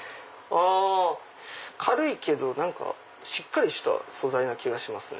軽いけど何かしっかりした素材な気がしますね。